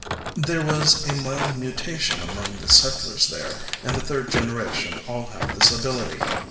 "There was a mild mutation among the settlers there, and the third generation all have this ability.